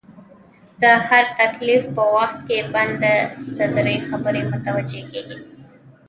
د هر تکليف په وخت کي بنده ته دری خبري متوجې کيږي